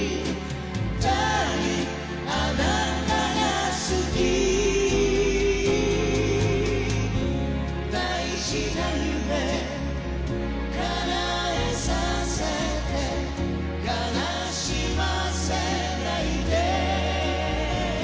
「ダーリンあなたが好き」「大事な夢かなえさせて」「悲しませないで」